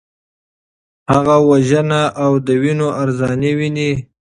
هغه وژنه او د وینو ارزاني ویني.